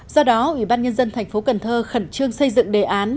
do đó ubnd tp cần thơ khẩn trương xây dựng đề án